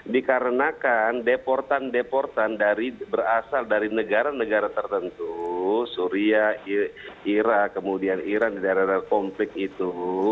dikarenakan deportan deportan berasal dari negara negara tertentu suria irak kemudian iran di daerah daerah konflik itu